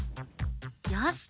よし！